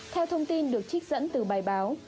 theo thông tin được trích dẫn từ bài báo